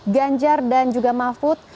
ganjar dan juga mahfud